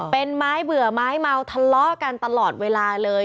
เป็นไม้เบื่อไม้เมาทะเลาะกันตลอดเวลาเลย